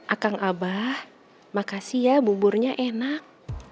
akang abah makasih ya buburnya enak